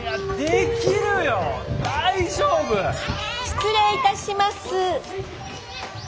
失礼いたします。